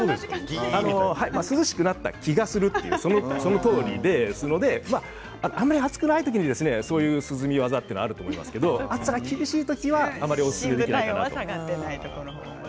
涼しくなった気がするとそのとおりであんまり暑くない時にそういう涼み技というのはあると思いますけど暑さが厳しい時はあまりおすすめできないかなと。